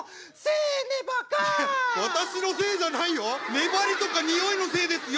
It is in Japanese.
粘りとかにおいのせいですよ！